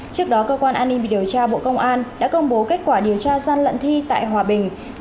trước đó cơ quan an ninh điều tra bộ công an đã công bố kết quả điều tra gian lận thi tại hòa bình